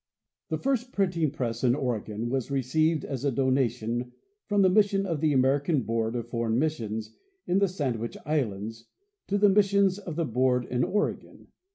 The first printing press in Oregon was received as a donation from the mission of the American Board of Foreign Missions in the Sandwich islands to the mission of the board in Oregon.